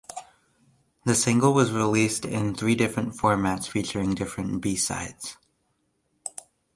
The single was released in three different formats featuring different B-sides.